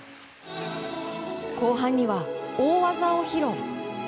後半には大技を披露。